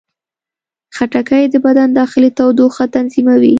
خټکی د بدن داخلي تودوخه تنظیموي.